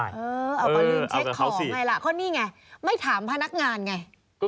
เออก็ลืมเช็คของไงล่ะก็นี่ไงไม่ถามพนักงานไง